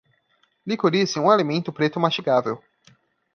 Licorice é um alimento preto mastigável.